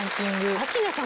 明菜さん